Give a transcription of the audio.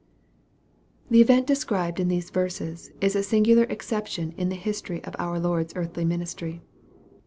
THE event described in these verses, is a singular ex ception in the history of our Lord's earthly ministry.